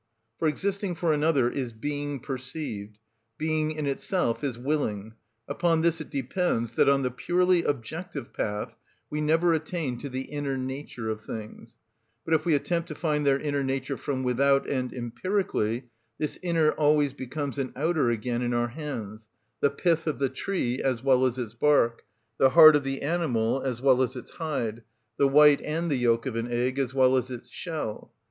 For existing for another is being perceived; being in itself is willing: upon this it depends that on the purely objective path we never attain to the inner nature of things; but if we attempt to find their inner nature from without and empirically, this inner always becomes an outer again in our hands,—the pith of the tree, as well as its bark; the heart of the animal, as well as its hide; the white and the yolk of an egg, as well as its shell.